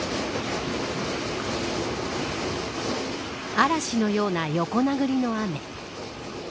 嵐のような横殴りの雨。